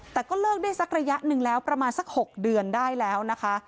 แต่ก็เลิกได้สักระยะหนึ่งแล้วประมาณสัก๖เดือนได้แล้วนะคะ